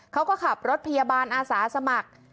เขาก็ขับรถพยาบาลอาสาสมัคร